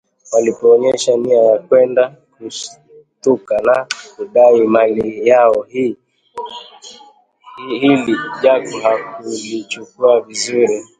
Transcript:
Walipoonyesha nia ya kwenda kushitaki na kudai mali yao , hili Jaku hakulichukulia vizuri